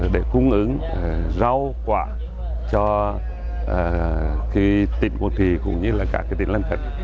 để cung ứng rau quả cho tỉnh quảng trị cũng như là cả tỉnh lân phật